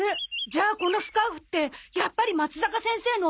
じゃあこのスカーフってやっぱりまつざか先生の。